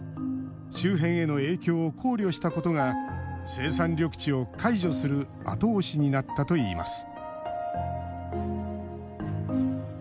周辺への影響を考慮したことが生産緑地を解除する後押しになったといいます